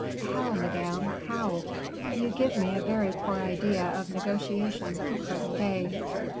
"How, madame, how?" "You give me a very poor idea of negotiations of the present day.